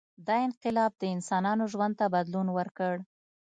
• دا انقلاب د انسانانو ژوند ته بدلون ورکړ.